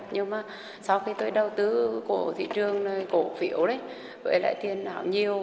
nhưng mà sau khi tôi đầu tư của thị trường cổ phiểu với lại tiền nào nhiều